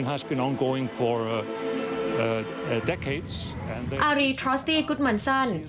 อารีทรอสตี้กุ๊ดมันซัน